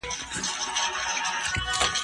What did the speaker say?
مرسته د زهشوم له خوا کيږي.